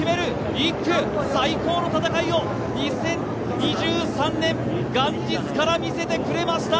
１区、最高の戦いを２０２３年元日から見せてくれました。